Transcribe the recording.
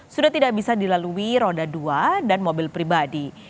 sudah tidak bisa dilalui roda dua dan mobil pribadi